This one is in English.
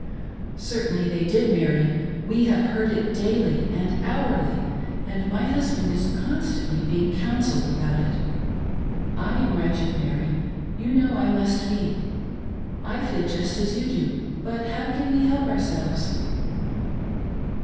"Certainly they did, Mary ^ 'We have heard it daily and hourly, and my husband is constantly being counselled aboat ft. I am wretched, Mary, you know I must be ; I feel just a$ ydu do, but how can we help ourselves?"